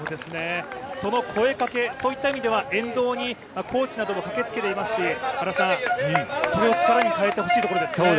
その声かけ、そういった意味では、沿道にコーチなども駆けつけていますしそれを力に変えてほしいところですね。